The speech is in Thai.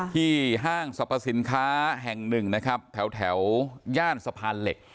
ห้างสรรพสินค้าแห่งหนึ่งนะครับแถวย่านสะพานเหล็ก